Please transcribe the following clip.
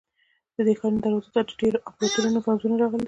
د دې ښار دروازو ته د ډېرو امپراتورانو پوځونه راغلي دي.